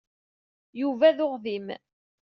Yuba d uɣdim.